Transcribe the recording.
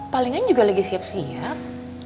palingan juga lagi siap siap